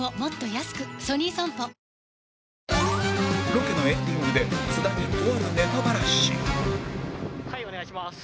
ロケのエンディングで津田にとあるはいお願いします。